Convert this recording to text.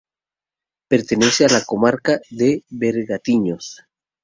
Pertenece a la comarca de Bergantiños.